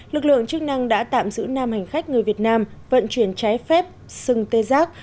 lực lượng chức năng đã tạm giữ năm hành khách người việt nam vận chuyển trái phép xưng tê giác